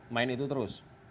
main itu terus